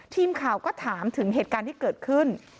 ทีมข่าวก็ถามถึงเหตุการณ์ที่เกิดขึ้น